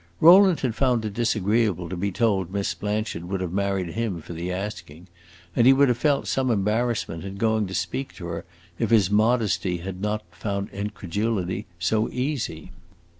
Rowland had found it disagreeable to be told Miss Blanchard would have married him for the asking, and he would have felt some embarrassment in going to speak to her if his modesty had not found incredulity so easy.